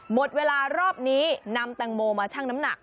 หมดเวลารอบนี้นำแตงโมมาชั่งน้ำหนัก